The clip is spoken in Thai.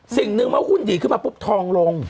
สิ่งนึงว่าหุ้นหยีดขึ้นมาปุ๊บทองลง